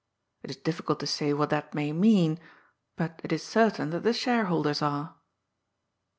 It is difficnlt to say what that may mean, but it is certain that the shareholders are.